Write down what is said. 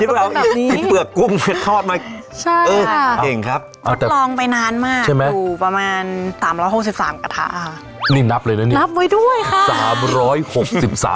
แล้วไปสำเร็จในกระทะที่๓๖๔อยู่หรอค่ะ